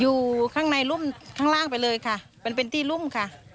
อยู่ข้างในรุ่มข้างล่างไปเลยค่ะมันเป็นที่รุ่มค่ะ